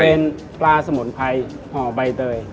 เป็นปลาสมุนไพรห่อใบเตย